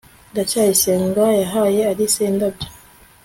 ndacyayisenga yahaye alice indabyo